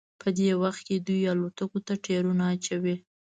په دې وخت کې دوی الوتکو ته ټیرونه اچوي